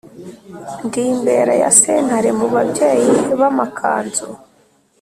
ndi imbere ya sentare, mu babyeyi b’amakanzu